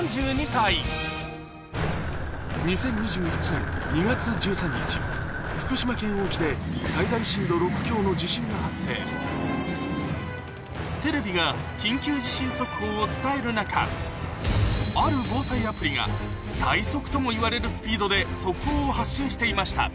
２０２１年２月１３日福島県沖で最大震度６強の地震が発生テレビが緊急地震速報を伝える中ある防災アプリが最速ともいわれるスピードで速報を発信していました